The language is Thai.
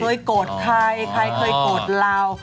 โกรธใครใครเคยโกรธเรา